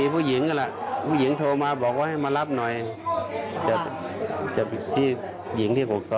ผู้หญิงคนนที่โทรมานั้น